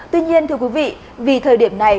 tuy nhiên thưa quý vị vì thời điểm này